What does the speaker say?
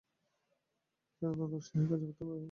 তিনি অত্যন্ত উৎসাহে কাগজপত্র বের করলেন।